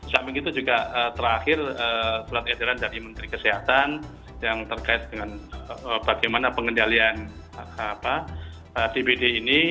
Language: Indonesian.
sambing itu juga terakhir surat kehadiran dari kementerian kesehatan yang terkait dengan bagaimana pengendalian tbd ini